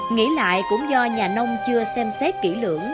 nghĩ lại cũng do nhà nông chưa xem xét kỹ lưỡng